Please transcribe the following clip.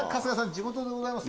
地元でございます。